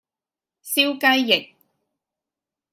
燒雞翼